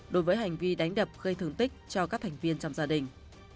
đối với hành vi đánh đập gây thương tích cho các thành viên trong gia đình